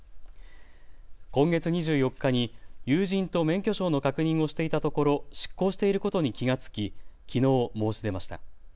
今月２４日に友人と免許証の確認をしていたところ失効していることに気が付ききのう、申し出ました。